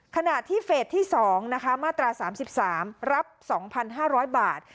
ขณะที่เฟสที่สองนะคะมาตราสามสิบสามรับสองพันห้าร้อยบาท